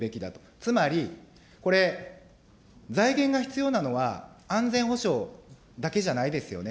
つまり、これ、財源が必要なのは、安全保障だけじゃないですよね。